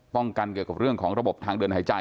กันเกี่ยวกับเรื่องของระบบทางเดินหายใจ